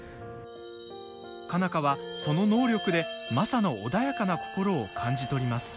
佳奈花は、その能力でマサの穏やかな心を感じ取ります。